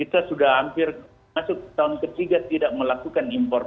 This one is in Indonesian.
kita sudah hampir masuk tahun ketiga tidak melakukan impor